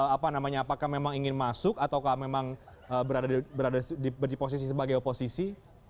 apa namanya apakah memang ingin masuk ataukah memang berada di posisi sebagai oposisi